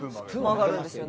曲がるんですよね。